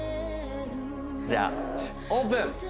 じゃあオープン！